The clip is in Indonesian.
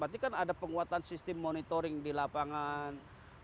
berarti kan ada penguatan sistem monitoring di lapangan